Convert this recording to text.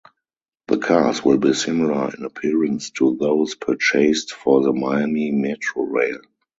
The cars will be similar in appearance to those purchased for the Miami Metrorail.